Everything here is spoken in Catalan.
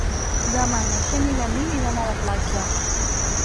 Demà na Xènia i en Nil iran a la platja.